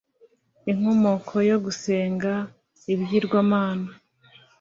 Inkomoko yo gusenga ibigirwamana